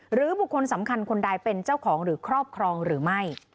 หรือบุคคลสำคัญคนใดเป็นเจ้าของหรือครอบครองหรือไม่